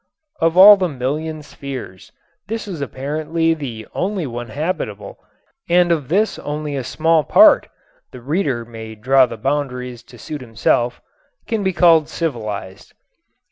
Of all the million spheres this is apparently the only one habitable and of this only a small part the reader may draw the boundaries to suit himself can be called civilized.